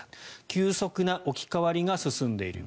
急速な置き換わりが進んでいる。